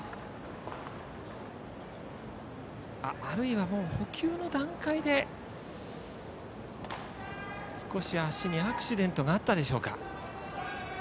あるいは、捕球の段階で少し足にアクシデントがあったでしょうか。